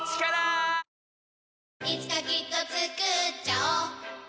いつかきっとつくっちゃおう